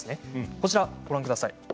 こちらをご覧ください。